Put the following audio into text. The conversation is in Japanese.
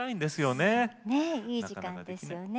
ねえいい時間ですよね。